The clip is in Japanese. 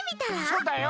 そうだよ。